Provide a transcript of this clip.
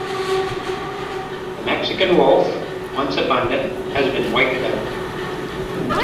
The Mexican wolf, once abundant, has been wiped out.